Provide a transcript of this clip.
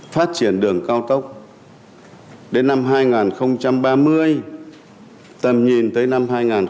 phát triển đường cao tốc đến năm hai nghìn ba mươi tầm nhìn tới năm hai nghìn năm mươi